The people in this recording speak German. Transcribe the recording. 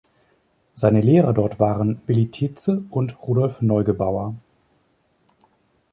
Seine Lehrer dort waren Willi Titze und Rudolf Neugebauer.